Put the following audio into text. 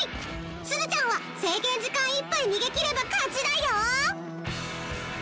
すずちゃんは制限時間いっぱい逃げ切れば勝ちだよ。